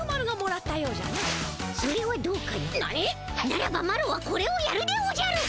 ならばマロはこれをやるでおじゃる。